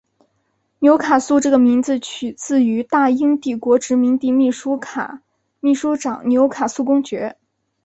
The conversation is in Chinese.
纽卡素这个名字取自于大英帝国殖民地秘书长纽卡素公爵。